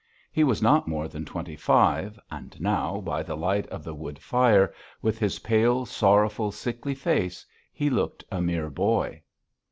He was not more than twenty five, and now, by the light of the wood fire, with his pale, sorrowful, sickly face, he looked a mere boy.